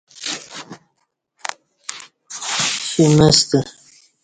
شِمستہ